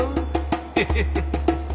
ヘヘヘヘ。